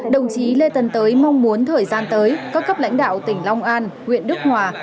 đồng chí lê tân tới mong muốn thời gian tới các cấp lãnh đạo tỉnh long an huyện đức hòa